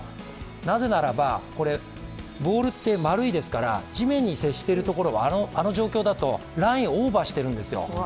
なぜならば、ボールって丸いですから地面に接しているところは、あの状況だとラインをオーバーしているんですよ。